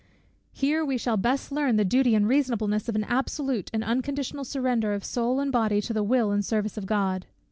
Here we shall best learn the duty and reasonableness of an absolute and unconditional surrender of soul and body to the will and service of God.